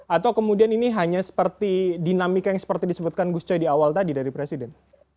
atau kemudian ini hanya seperti dinamika yang seperti disebutkan gus coy di awal tadi dari presiden